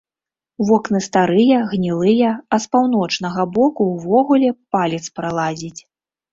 Вокны старыя, гнілыя, а з паўночнага боку ўвогуле палец пралазіць.